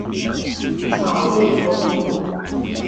草瑞公路